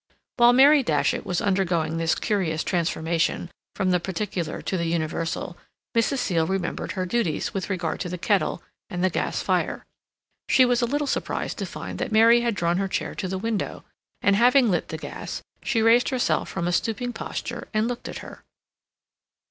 While Mary Datchet was undergoing this curious transformation from the particular to the universal, Mrs. Seal remembered her duties with regard to the kettle and the gas fire. She was a little surprised to find that Mary had drawn her chair to the window, and, having lit the gas, she raised herself from a stooping posture and looked at her.